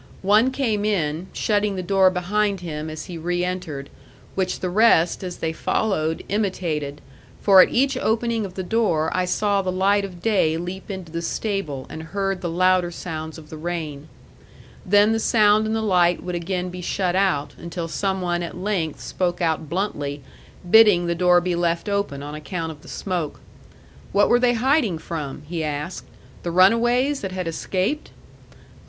One came in, shutting the door behind him as he reentered, which the rest as they followed imitated; for at each opening of the door I saw the light of day leap into the stable and heard the louder sounds of the rain. Then the sound and the light would again be shut out, until some one at length spoke out bluntly, bidding the door be left open on account of the smoke. What were they hiding from? he asked. The runaways that had escaped?